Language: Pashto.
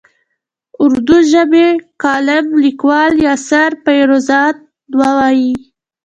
اردو ژبی کالم لیکوال یاسر پیرزاده وايي.